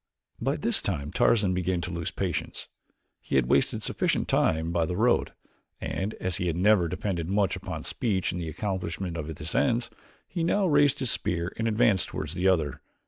By this time Tarzan began to lose patience. He had wasted sufficient time by the road, and as he had never depended much upon speech in the accomplishment of his ends, he now raised his spear and advanced toward the other.